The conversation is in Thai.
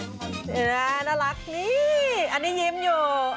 นี่น่ารักอันนี้ยิ้มอยู่